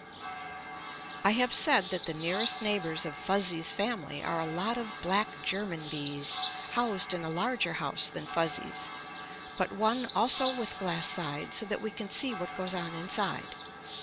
I have said that the nearest neighbors of Fuzzy's family are a lot of black German bees, housed in a larger house than Fuzzy's, but one also with glass sides so that we can see what goes on inside.